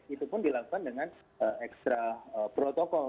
itu pun dilakukan dengan ekstra protokol